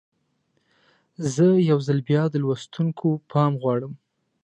زه یو ځل بیا د لوستونکو پام غواړم.